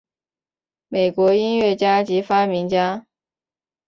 美国音乐家及发明家。